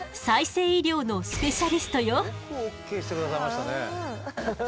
よくＯＫして下さいましたね。